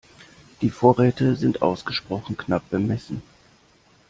Die Vorräte sind ausgesprochen knapp bemessen.